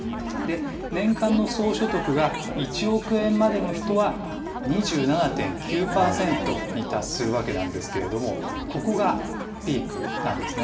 年間の総所得が１億円までの人は、２７．９％に達するわけなんですけれども、ここがピークなんですね。